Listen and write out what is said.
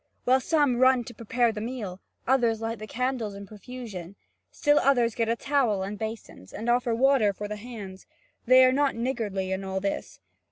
While some run to prepare the meal, others light the candles in profusion; still others get a towel and basins, and offer water for the hands: they are not niggardly in all this.